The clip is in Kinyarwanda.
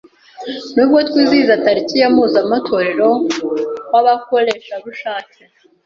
Nubwo twizihiza tariki ya mpuzamatorero w’abakorerabushake